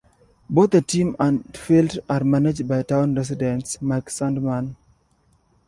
Both the team and field are managed by town resident, Mike Sandmann.